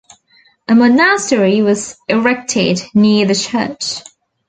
A monastery was erected near the church.